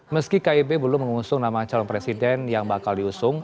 meski kib belum mengusung nama calon presiden yang bakal diusung